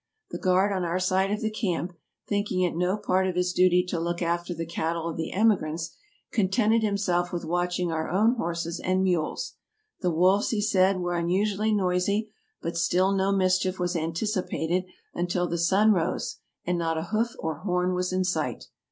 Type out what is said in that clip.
The guard on our side of the camp, thinking it no part of his duty to look after the cattle of the emigrants, contented himself with watching our own horses and mules; the wolves, he said, were unusually noisy ; but still no mischief was anticipated until the sun rose, and not a hoof or horn was in sight!